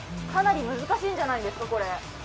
かなり難しいんじゃないですか、これ。